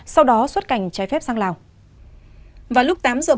sau đó xuất cảnh trái phép sang lào